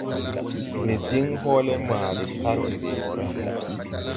Re diŋ hɔɔle ma de karge de wɔɔre.